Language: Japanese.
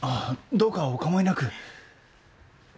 どうかお構いなく。